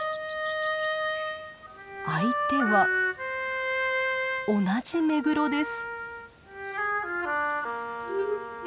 相手は同じメグロです。